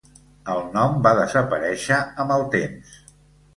El nom va desaparèixer amb el temps.